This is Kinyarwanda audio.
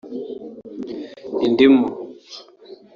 indimu